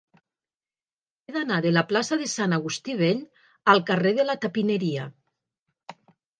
He d'anar de la plaça de Sant Agustí Vell al carrer de la Tapineria.